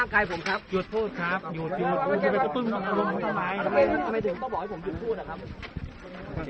แค่ถิวเจ๊เผือไอ้เหนียวช่องนี้